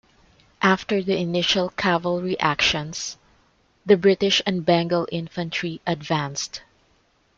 After the initial cavalry actions, the British and Bengal infantry advanced.